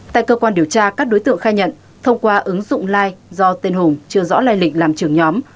tại cơ quan điều tra các đối tượng khai nhận thông qua ứng dụng lai do tên hùng chưa rõ lây lịch làm trưởng nhóm